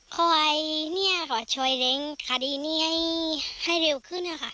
ขอให้ชวยเล็งคดีนี้ให้เร็วขึ้นแล้วคราว